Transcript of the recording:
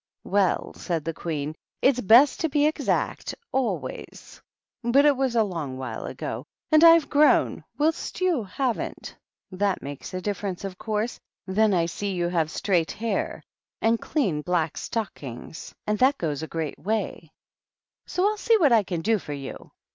" Well," said the Queen, " it's best to be exact always ; but it was a long while ago ; and I've grown, whilst you haven't. That makes a differ ence, of course. Then I see you have straight hair and clean black stockings, and that goes a THE RED QUEEN AND THE DUCHESS. 137 great way. So I'll see what I can do for you.